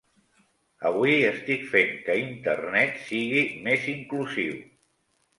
Avui estic fent que Internet sigui més inclusiu